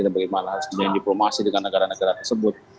bagaimana harus punya diplomasi dengan negara negara tersebut